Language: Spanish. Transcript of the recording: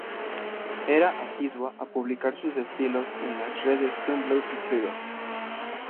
Era asidua a publicar sus estilos en las redes Tumblr y Twitter.